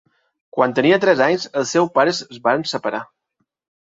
Quan tenia tres anys els seus pares es van separar.